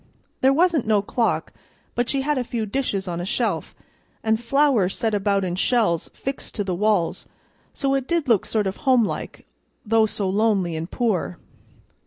There wasn't no clock, but she had a few dishes on a shelf, and flowers set about in shells fixed to the walls, so it did look sort of homelike, though so lonely and poor.